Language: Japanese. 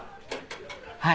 はい。